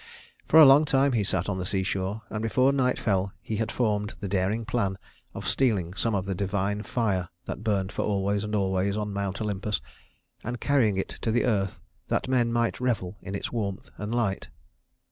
For a long time he sat on the seashore, and before night fell he had formed the daring plan of stealing some of the divine fire that burned for always and always on Mount Olympus, and carrying it to the earth that men might revel in its warmth and light.